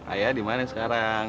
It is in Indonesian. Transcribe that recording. ayah dimana sekarang